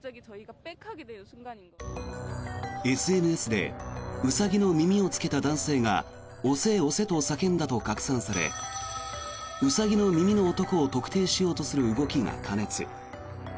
ＳＮＳでウサギの耳をつけた男性が押せ押せと叫んだと拡散されウサギの耳の男を特定しようとする動きが過熱。